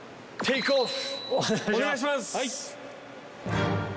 お願いします！